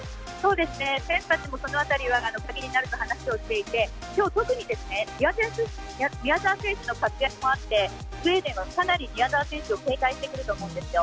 選手たちも、その辺りは鍵になると話をしていて今日、特に宮澤選手の活躍もあってスウェーデンもかなり宮澤選手を警戒してくると思うんですよ。